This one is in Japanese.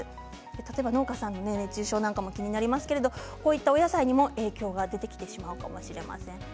例えば農家さん熱中症も気になりますがお野菜にも影響が出てきてしまうかもしれません。